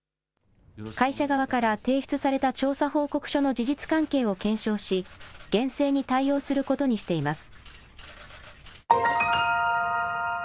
会社側から提出された調査報告書の事実関係を検証し、厳正に対応することにしています。